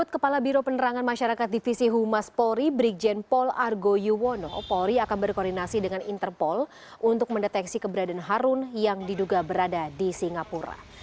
kepala biro penerangan masyarakat divisi humas polri brigjen pol argo yuwono polri akan berkoordinasi dengan interpol untuk mendeteksi keberadaan harun yang diduga berada di singapura